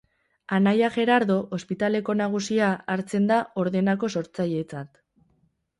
Anaia Gerardo, ospitaleko nagusia, hartzen da Ordenako sortzailetzat.